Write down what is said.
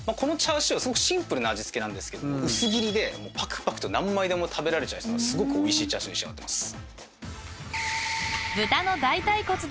すごくシンプルな味付けなんですけど薄切りでぱくぱくと何枚でも食べられちゃいそうなすごくおいしいチャーシューに仕上がってます。